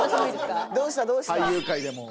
俳優界でも。